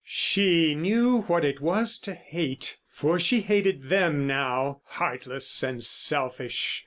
She knew what it was to hate, for she hated them now—heartless and selfish.